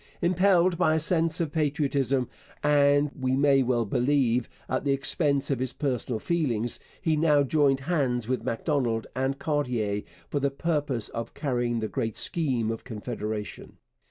Impelled by a sense of patriotism and, we may well believe, at the expense of his personal feelings, he now joined hands with Macdonald and Cartier for the purpose of carrying the great scheme of Confederation.